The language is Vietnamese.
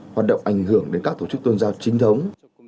hoạt động ảnh hưởng đến các tổ chức tôn giáo chính thống